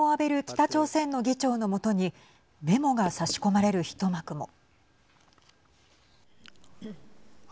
北朝鮮の議長のもとにメモが差し込まれる一幕も。